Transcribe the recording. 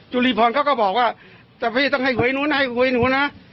จุฬิพรเขาก็บอกว่าดังพี่ต้องให้เขวยนู้นนะ